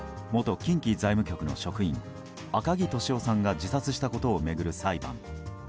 近畿財務局の職員赤木俊夫さんが自殺したことを巡る裁判。